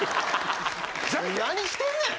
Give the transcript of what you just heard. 何してんねん！